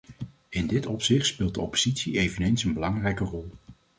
In dit opzicht speelt de oppositie eveneens een belangrijke rol.